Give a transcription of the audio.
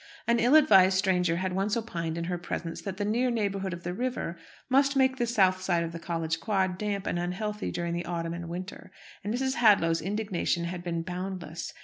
An ill advised stranger had once opined in her presence that the near neighbourhood of the river must make the south side of the College Quad damp and unhealthy during the autumn and winter, and Mrs. Hadlow's indignation had been boundless.